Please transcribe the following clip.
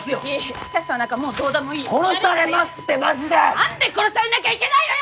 何で殺されなきゃいけないのよ！